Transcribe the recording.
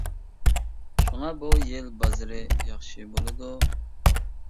شۇڭا بۇ يىل بازىرى ياخشى بولىدۇ.